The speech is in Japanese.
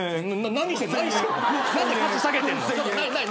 何で価値下げてんの？